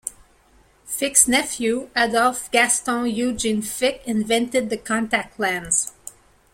Fick's nephew, Adolf Gaston Eugen Fick, invented the contact lens.